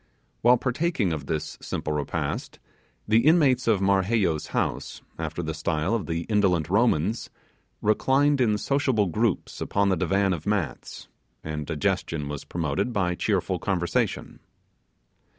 While partaking of this simple repast, the inmates of Marheyo's house, after the style of the ancient Romans, reclined in sociable groups upon the divan of mats, and digestion was promoted by cheerful conversation.